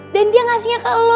dan dia ngasihnya ke lu